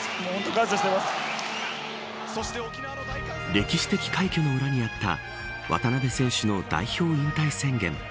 歴史的快挙の裏にあった渡邊選手の代表引退宣言。